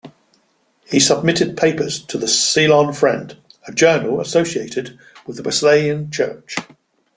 He submitted papers to the "Ceylon Friend", a journal associated with the Wesleyian Church.